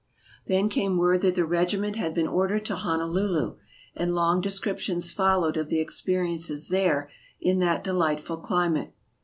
Then came word that the regiment had been ordered to Honolulu and long descriptions followed of the experiences there in that delightful climate.